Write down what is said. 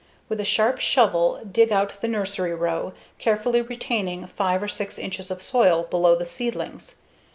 With a sharp shovel, dig out the nursery row, carefully retaining 5 or 6 inches of soil below the seedlings.